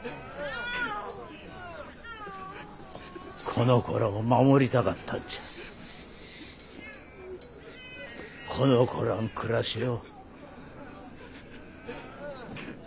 この子らを守りたかったんじゃこの子らの暮らしを。